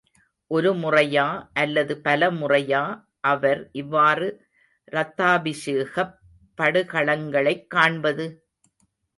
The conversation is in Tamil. ஒரு முறையா அல்லது பல முறையா அவர் இவ்வாறு ரத்தாபிஷேகப் படுகளங்களைக் காண்பது?